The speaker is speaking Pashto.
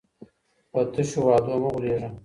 په تسو وعدو مه غولیږه.